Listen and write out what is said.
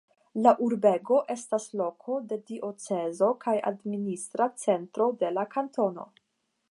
La urbego estas loko de diocezo kaj administra centro de la kantono.